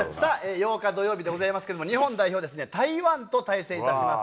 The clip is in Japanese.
８日土曜日でございますけれども、日本代表、台湾と対戦いたします。